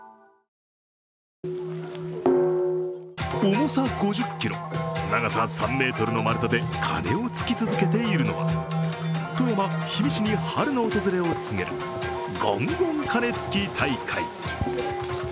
重さ５０ｋｇ、長さ３ｍの丸太で鐘をつき続けているのは富山・氷見市に春の訪れを告げるゴンゴン鐘つき大会。